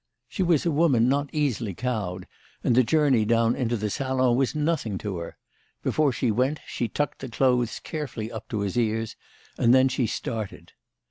She was a woman not easily cowed, and the journey down into the salon was nothing to her. Before she went she tucked the clothes carefully up to his ears, and then she started.